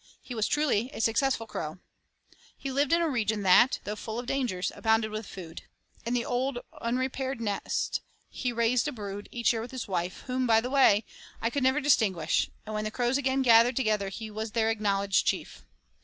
He was truly a successful crow. He lived in a region that, though full of dangers, abounded with food. In the old, unrepaired nest he raised a brood each year with his wife, whom, by the way, I never could distinguish, and when the crows again gathered together he was their acknowledged chief.